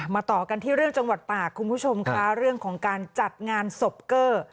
ต่อกันที่เรื่องจังหวัดตากคุณผู้ชมค่ะเรื่องของการจัดงานศพเกอร์